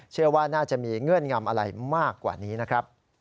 เชื่อว่าน่าจะมีเงื่อนงำอะไรมากกว่านี้นะครับ